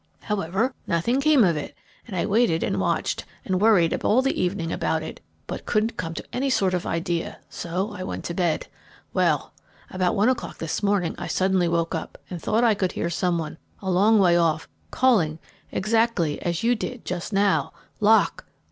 However, nothing came of it, and I waited and watched, and worried all the evening about it, but couldn't come to any sort of idea, so I went to bed. Well, about one o'clock this morning I suddenly woke up and thought I could hear some one a long way off calling exactly as you did just now, 'Lock!